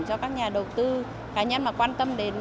cho các nhà đầu tư cá nhân mà quan tâm đến